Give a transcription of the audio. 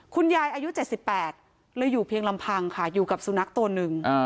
คุณยายอายุ๗๘เลยอยู่เพียงลำพังค่ะอยู่กับสูงนักตัวนึง